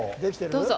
どうぞ。